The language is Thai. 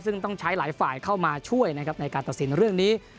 ซึ่งต้องใช้หลายฝ่ายเข้ามาช่วยนะครับในการตัดสินเรื่องนี้